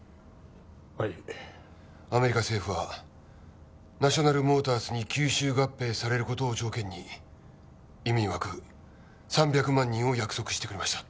はいアメリカ政府はナショナルモータースに吸収合併されることを条件に移民枠３００万人を約束してくれました